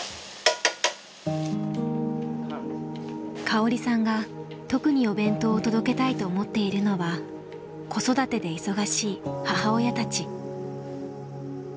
香織さんが特にお弁当を届けたいと思っているのは子育てで忙しい母親たち。